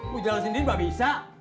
mau jalan sendiri nggak bisa